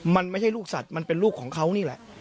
มันไม่ใช่ลูกสัตว์มันเป็นลูกของเขานี่แหละ